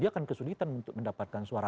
dia akan kesulitan untuk mendapatkan suara